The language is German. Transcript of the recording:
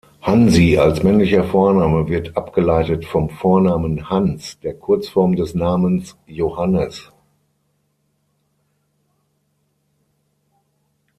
Hansi als männlicher Vorname wird abgeleitet vom Vornamen Hans, der Kurzform des Namens Johannes.